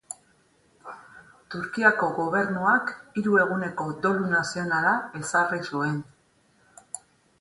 Turkiako gobernuak hiru eguneko dolu nazionala ezarri zuen.